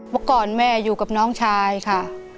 เมื่อก่อนแม่อยู่กับน้องชายค่ะ